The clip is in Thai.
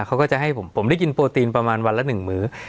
เขาก็จะให้ผมผมได้กินโปรตีนประมาณวันละ๑มื้อ